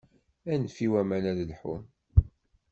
Anef i waman ad lḥun.